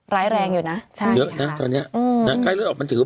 ร้ายแรงอยู่นะ